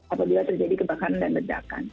apabila terjadi kebakaran dan ledakan